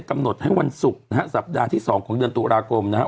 กำหนดให้วันศุกร์นะฮะสัปดาห์ที่๒ของเดือนตุลาคมนะฮะ